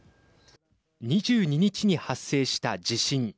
２２日に発生した地震。